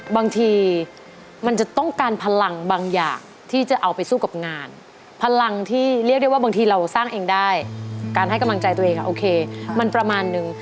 บางทีมันจะต้องการพลังบางอย่างที่จะเอาไปสู้กับงานพลังที่เรียกได้ว่าบางทีเราสร้างเองได้การให้กำลังใจตัวเองโอเคมันประมาณนึง